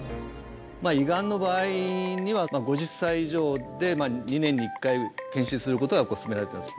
胃がんの場合には５０歳以上で２年に１回検診することがすすめられてます